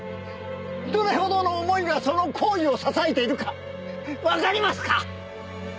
どれほどの思いがその行為を支えているかわかりますか？